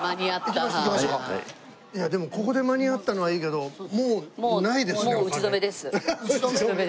いやでもここで間に合ったのはいいけどもうないですよお金。